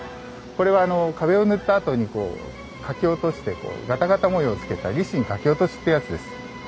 これは壁を塗ったあとにこう掻き落としてガタガタ模様をつけたリシン掻き落としってやつです。